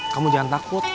kamu jangan takut